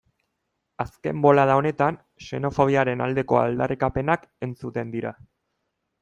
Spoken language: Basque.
Azken bolada honetan xenofobiaren aldeko aldarrikapenak entzuten dira.